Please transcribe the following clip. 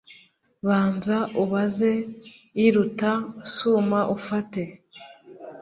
Banza ubaze iruta suma ufate